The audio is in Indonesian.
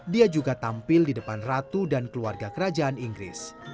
dia juga tampil di depan ratu dan keluarga kerajaan inggris